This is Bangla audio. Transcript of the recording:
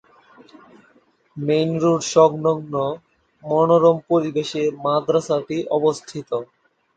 মেইন রোড সংলগ্ন মনোরম পরিবেশে মাদ্রাসাটি অবস্থিত।